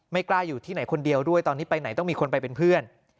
กล้าอยู่ที่ไหนคนเดียวด้วยตอนนี้ไปไหนต้องมีคนไปเป็นเพื่อน